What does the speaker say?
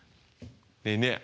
ねえねえ。